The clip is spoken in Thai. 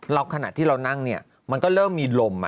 แล้วขณะที่เรานั่งเนี่ยมันก็เริ่มมีลม